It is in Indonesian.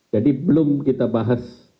jadi belum kita bahas